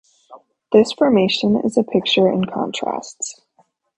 This formation is a picture in contrasts.